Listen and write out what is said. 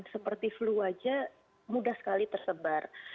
seperti flu aja mudah sekali tersebar